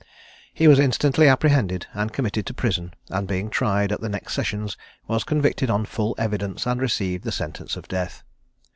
He was instantly apprehended, and committed to prison; and being tried at the next sessions, was convicted on full evidence, and received sentence of death.